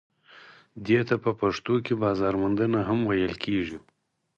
دې ته په پښتو کې بازار موندنه هم ویل کیږي.